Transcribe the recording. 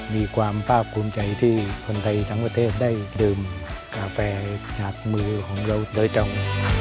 มีความภาคภูมิใจที่คนไทยทั้งประเทศได้ดื่มกาแฟฉัดมือของเราโดยตรง